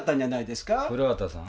古畑さん。